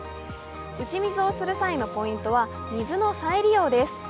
打ち水をする際のポイントは、水の再利用です。